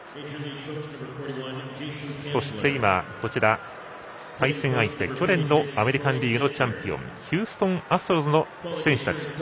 そして、対戦相手去年のアメリカンリーグのチャンピオンヒューストン・アストロズの選手たち。